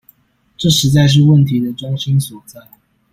這實在是問題的中心所在